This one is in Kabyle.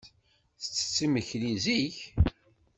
Tettett imekli zik.